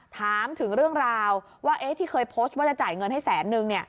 ถามถึงเรื่องราวว่าที่เคยโพสต์ว่าจะจ่ายเงินให้แสนนึง